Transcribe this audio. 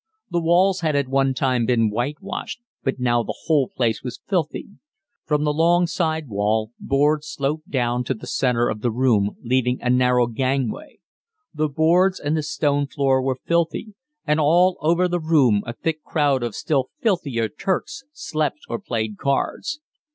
The walls had at one time been whitewashed, but now the whole place was filthy. From the long side wall boards sloped down to the center of the room, leaving a narrow gangway. The boards and the stone floor were filthy, and all over the room a thick crowd of still filthier Turks slept or played cards.